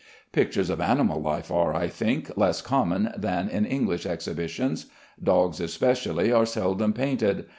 Pictures of animal life are, I think, less common than in English exhibitions. Dogs especially are seldom painted.